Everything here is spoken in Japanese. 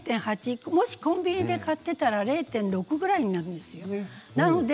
もしコンビニで買ってたら０．６ぐらいなんですよ。